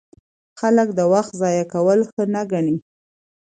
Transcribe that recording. خلک د وخت ضایع کول ښه نه ګڼي.